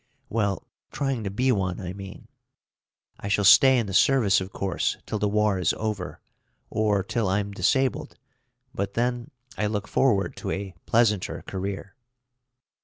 Well, trying to be one, I mean. I shall stay in the service, of course, till the war is over, or till I'm disabled; but then I look forward to a pleasanter career.